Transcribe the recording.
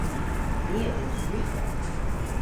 My a dhysk Russek.